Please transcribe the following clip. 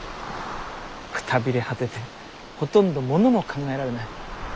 くたびれ果ててほとんどものも考えられない。